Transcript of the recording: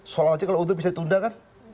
soalnya kalau udhur bisa ditunda kan